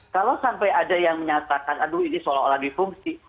kalau sampai ada yang menyatakan aduh ini seolah olah difungsi